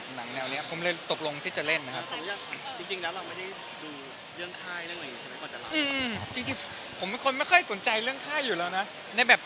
ฟังแค่นี้ก็แบบหึยเหนื่อยจีงนะ